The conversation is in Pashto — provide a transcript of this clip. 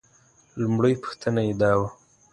لومړۍ پوښتنه یې دا وه.